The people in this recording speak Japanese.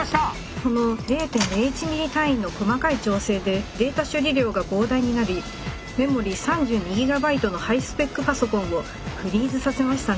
この０．０１ｍｍ単位の細かい調整でデータ処理量が膨大になりメモリ３２ギガバイトのハイスペックパソコンをフリーズさせましたね。